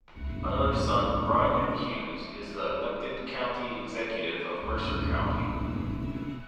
Another son, Brian M. Hughes, is the elected County Executive of Mercer County.